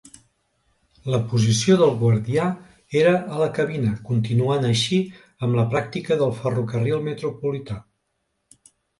La posició del guardià era a la cabina, continuant així amb la pràctica del Ferrocarril Metropolità.